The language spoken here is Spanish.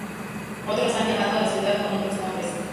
Otros han llamado a la ciudad con otros nombres.